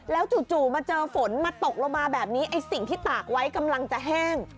แล้วจู่มาเจอฝนมาตกลงมาแบบนี้ไอ้สิ่งที่ตากไว้กำลังจะแห้ง